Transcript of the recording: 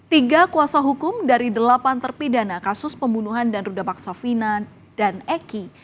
tiga kuasa hukum dari delapan terpidana kasus pembunuhan dan ruda baksofina dan eki